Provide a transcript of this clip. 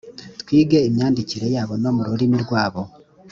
twige imyandikire yabo no mu rurimi rwabo